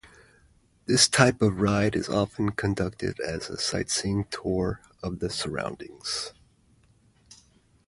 This type of ride is often conducted as a sightseeing tour of the surroundings.